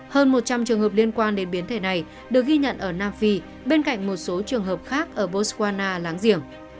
hơn một trăm linh trường hợp liên quan đến biến thể này được ghi nhận ở nam phi bên cạnh một số trường hợp khác ở nga láng giềng